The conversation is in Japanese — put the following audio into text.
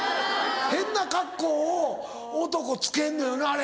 変なカッコを男つけんのよねあれ。